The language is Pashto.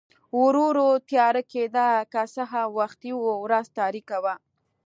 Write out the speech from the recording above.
ورو ورو تیاره کېده، که څه هم وختي و، ورځ تاریکه وه.